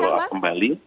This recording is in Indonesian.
akan di follow up kembali